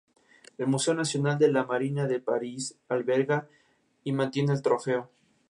Tras una breve conversación con Eliza, certifica que es de sangre azul.